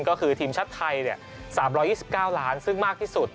ก็คือทีมชาติไทย๓๒๙ล้านซึ่งมากที่สุด